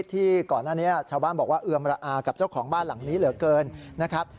ที่ก่อนหน้านี้ชาวบ้านบอกว่าเอือมระอากับเจ้าของบ้านหลังนี้เหลือเกินนะครับ